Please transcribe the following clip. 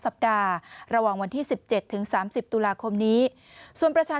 สัปดาห์ระหว่างวันที่สิบเจ็ดถึงสามสิบตุลาคมนี้ส่วนประชา